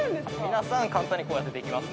皆さん簡単にこうやってできます